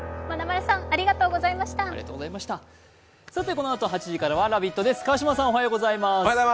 このあと８時からは「ラヴィット！」です。